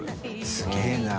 すげぇな。